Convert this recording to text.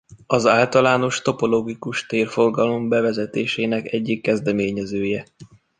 Az általános topologikustér-fogalom bevezetésének egyik kezdeményezője.